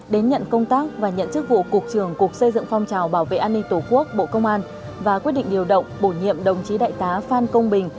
đến nhận công tác và nhận chức vụ cục trường cục xây dựng phong trào bảo vệ an ninh tổ quốc bộ công an và quyết định điều động bổ nhiệm đồng chí đại tá phan công bình